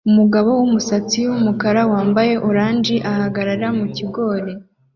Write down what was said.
Umugabo wumusatsi wumukara wambaye orange ahagarara mukigori